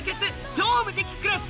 『超無敵クラス』